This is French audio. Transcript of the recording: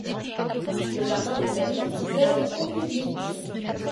Le jardin botanique est ouvert au public.